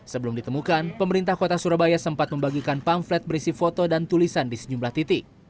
sebelum ditemukan pemerintah kota surabaya sempat membagikan pamflet berisi foto dan tulisan di sejumlah titik